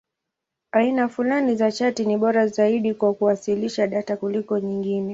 Aina fulani za chati ni bora zaidi kwa kuwasilisha data kuliko nyingine.